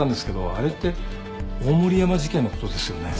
あれって大森山事件のことですよね？